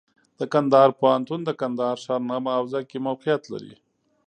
د کندهار پوهنتون د کندهار ښار نهمه حوزه کې موقعیت لري.